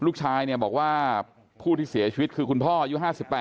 ลูกชายเนี่ยบอกว่าผู้ที่เสียชีวิตคือคุณพ่ออายุ๕๘